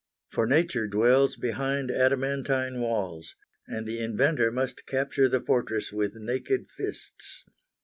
For nature dwells behind adamantine walls, and the inventor must capture the fortress with naked fists.